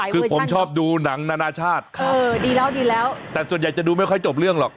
คือผมชอบดูหนังนานาชาติแต่ส่วนใหญ่จะดูไม่ค่อยจบเรื่องหรอก